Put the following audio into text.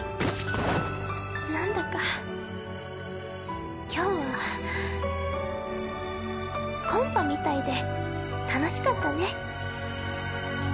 なんだか今日はコンパみたいで楽しかったね。